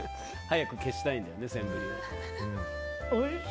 早く消したいんだよねセンブリ。